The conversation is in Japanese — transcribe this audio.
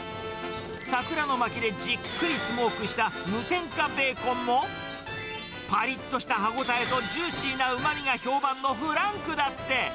桜のまきでじっくりスモークした無添加ベーコンも、ぱりっとした歯応えとジューシーなうまみが評判のフランクだって。